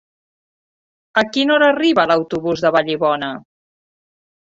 A quina hora arriba l'autobús de Vallibona?